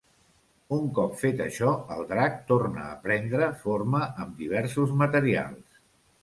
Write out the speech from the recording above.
Un cop fet això el drac torna a prendre forma amb diversos materials.